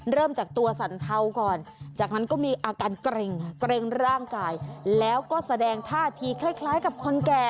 เริ่มจากตัวสันเทาก่อนจากนั้นก็มีอาการเกร็งเกร็งร่างกายแล้วก็แสดงท่าทีคล้ายกับคนแก่